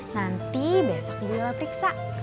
nanti besok di lalu periksa